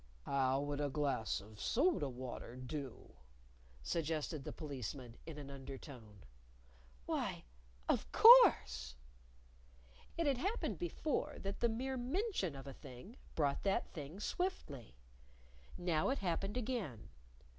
"How would a glass of soda water do?" suggested the Policeman, in an undertone. "Why, of course!" It had happened before that the mere mention of a thing brought that dying swiftly. Now it happened again.